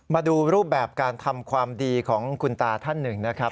มาดูรูปแบบการทำความดีของคุณตาท่านหนึ่งนะครับ